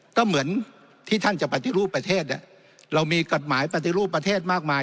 ก็เหมือนที่ท่านจะปฏิรูปประเทศเนี่ยเรามีกฎหมายปฏิรูปประเทศมากมาย